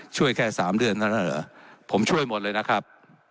ช่วยแค่๓เดือนเท่านั้นเหรอผมช่วยหมดเลยนะครับ